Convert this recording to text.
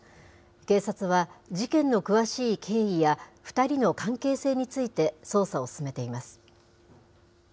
警察は事件の詳しい経緯や２人の関係性について捜査を進めています。